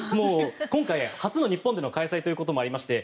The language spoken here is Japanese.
今回初の日本での開催ということもありまして